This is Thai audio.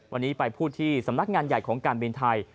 วันนี้ไปพูดที่สำนักงานใหญ่ของการบินไทย